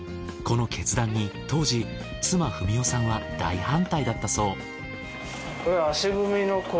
この決断に当時妻二三代さんは大反対だったそう。